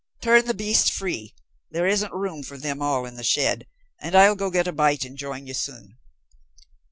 "Turn the beasts free; there isn't room for them all in the shed, and I'll go get a bite and join you soon."